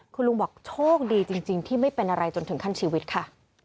คุณลุงบอกโชคดีจริงที่ไม่เป็นอะไรจนถึงขั้นชีวิตค่ะ